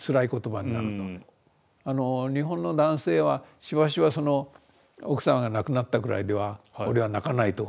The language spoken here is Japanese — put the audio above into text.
日本の男性はしばしば奥さんが亡くなったぐらいでは俺は泣かないとかね